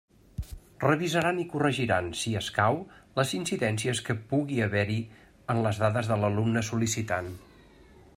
Revisaran i corregiran, si escau, les incidències que pugui haver-hi en les dades de l'alumne sol·licitant.